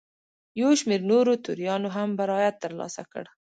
یو شمېر نورو توریانو هم برائت ترلاسه کړ.